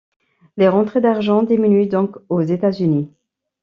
Les rentrées d'argent diminuent donc aux États-Unis.